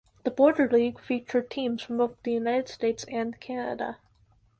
The Border League featured teams from both the United States and Canada.